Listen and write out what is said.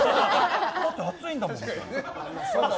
だって熱いんだもん。